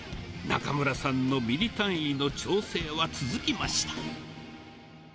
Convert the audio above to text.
中村さんのミリ単位の調整は続きました。